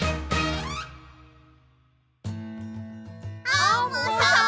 アンモさん！